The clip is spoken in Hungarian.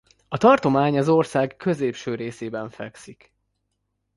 A tartomány az ország középső részében fekszik.